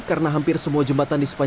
karena hampir semua jembatan disepak